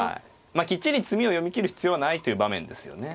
きっちり詰みを読み切る必要はないという場面ですよね。